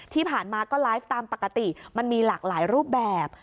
ที่ผ่านมาก็ไลฟ์ตามปกติมันมีหลากหลายรูปแบบ